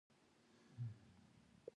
دوی پیسې مصرفوي او سودا کوي.